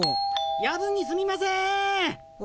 夜分にすみません！